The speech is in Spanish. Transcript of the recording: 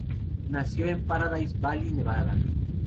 Nació en Paradise Valley, Nevada.